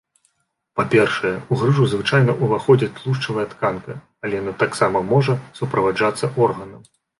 Па-першае, у грыжу звычайна ўваходзіць тлушчавая тканка, але яна таксама можа суправаджацца органам.